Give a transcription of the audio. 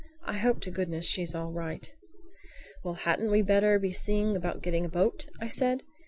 I hope to goodness she's all right." "Well, hadn't we better be seeing about getting a boat?" I said.